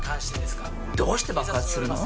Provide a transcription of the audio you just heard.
どうして爆発するの？